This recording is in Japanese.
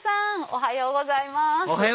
おはようございます